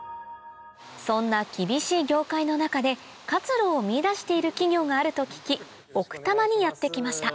そんな厳しい業界の中で活路を見いだしている企業があると聞き奥多摩にやって来ました